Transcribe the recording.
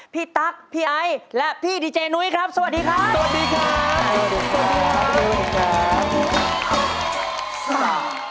พี่ตั๊กพี่ไอ้และพี่ดีเจนุ้ยครับสวัสดีค่ะสวัสดีค่ะ